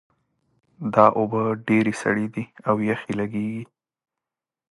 دا اوبه ډېرې سړې دي او یخې لګیږي